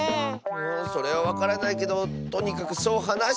それはわからないけどとにかくそうはなしてたッス。